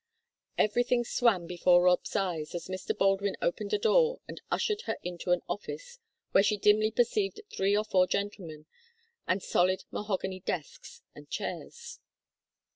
Everything swam before Rob's eyes as Mr. Baldwin opened a door and ushered her into an office where she dimly perceived three or four gentlemen, and solid mahogany desks and chairs.